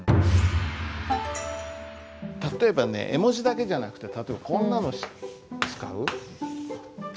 例えばね絵文字だけじゃなくて例えばこんなの使う？